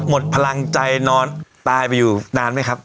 หมดพลังใจนอนตายไปอยู่นานไหมครับ